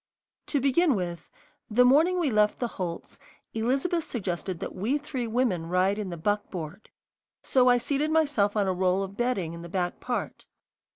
To begin with, the morning we left the Holts, Elizabeth suggested that we three women ride in the buckboard, so I seated myself on a roll of bedding in the back part.